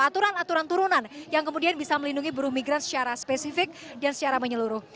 aturan aturan turunan yang kemudian bisa melindungi buruh migran secara spesifik dan secara menyeluruh